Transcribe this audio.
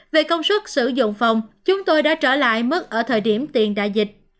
về công suất sử dụng phòng chúng tôi đã trở lại mức ở thời điểm tiền đại dịch